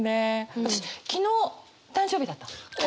私昨日誕生日だったの。